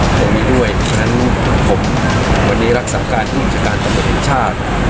ผมมีด้วยฉะนั้นผมวันนี้รักษาการมุมจักรต่อโมเติมชาติ